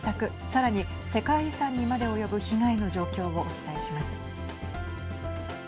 さらに、世界遺産にまで及ぶ被害の状況をお伝えします。